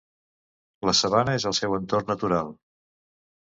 La sabana és el seu entorn natural.